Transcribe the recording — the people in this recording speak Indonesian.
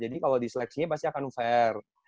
jadi kalau diseleksi pasti akan fair